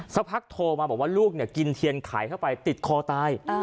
สักพักโทรมาบอกว่าลูกกินเทียนไขเข้าไปติดคอตาย